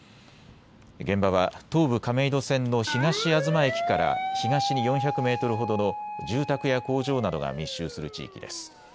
現場は東武亀戸線の東あずま駅から東に４００メートルほどの住宅や工場などが密集する地域です。